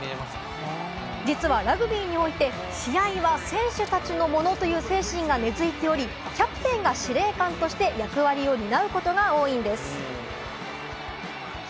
実はラグビーにおいて、試合は選手たちのものという精神が根付いており、キャプテンが司令官として役割を担うことが多いんです。